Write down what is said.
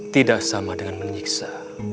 tidak sama dengan menyiksa